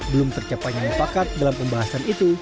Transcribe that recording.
belum tercapai nyampe pakat dalam pembahasan itu